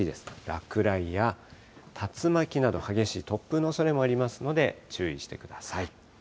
落雷や竜巻など、激しい突風のおそれもありますので、注意してください。